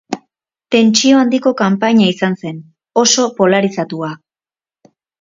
Tentsio handiko kanpaina izan zen, oso polarizatua.